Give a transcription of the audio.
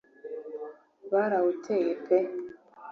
Barawuteye pe